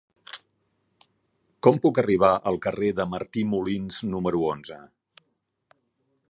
Com puc arribar al carrer de Martí Molins número onze?